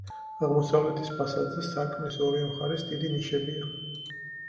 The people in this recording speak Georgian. აღმოსავლეთის ფასადზე, სარკმლის ორივე მხარეს დიდი ნიშებია.